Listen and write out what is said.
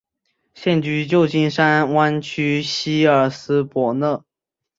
现居旧金山湾区希尔斯伯勒。